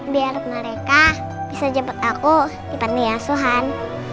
biar mereka bisa jemput aku di panti asuhan